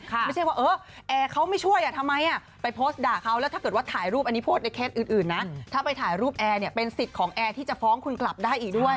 ไม่ใช่ว่าเออแอร์เขาไม่ช่วยอ่ะทำไมไปโพสต์ด่าเขาแล้วถ้าเกิดว่าถ่ายรูปอันนี้โพสต์ในเคสอื่นนะถ้าไปถ่ายรูปแอร์เนี่ยเป็นสิทธิ์ของแอร์ที่จะฟ้องคุณกลับได้อีกด้วย